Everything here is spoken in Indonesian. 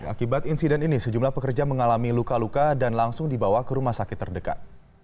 akibat insiden ini sejumlah pekerja mengalami luka luka dan langsung dibawa ke rumah sakit terdekat